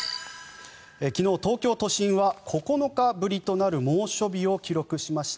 昨日、東京都心は９日ぶりとなる猛暑日を記録しました。